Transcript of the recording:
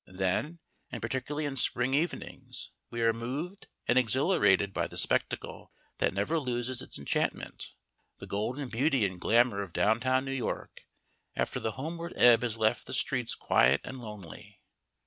Then, and particularly in spring evenings, we are moved and exhilarated by that spectacle that never loses its enchantment, the golden beauty and glamour of downtown New York after the homeward ebb has left the streets quiet and lonely.